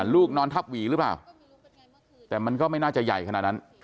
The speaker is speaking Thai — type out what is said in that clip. นอนทับหวีหรือเปล่าแต่มันก็ไม่น่าจะใหญ่ขนาดนั้น